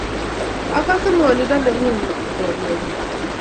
Agase gwanindo nengung, chorwenyu